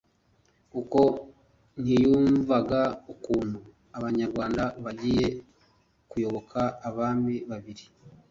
kuko ntiyumvaga ukuntu Abanyarwanda bagiye kuyoboka abami babiri ;